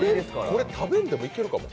これ、食べんでもいけるかも。